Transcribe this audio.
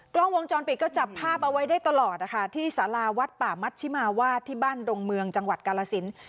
กล้องวงจรปิดก็จับภาพเอาไว้ได้ตลอดนะคะที่สาราวัดป่ามัชชิมาวาดที่บ้านดงเมืองจังหวัดกาลสิน